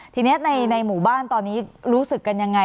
ทีนี้ในหมู่บ้านตอนนี้รู้สึกกันยังไง